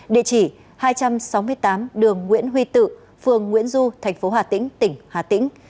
địa chỉ hai trăm sáu mươi tám đường nguyễn huy tự phường nguyễn du thành phố hà tĩnh tỉnh hà tĩnh